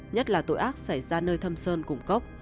nhất là tội ác xảy ra nơi thâm sơn cùng cốc